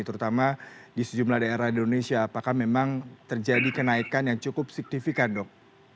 terutama di sejumlah daerah di indonesia apakah memang terjadi kenaikan yang cukup signifikan dok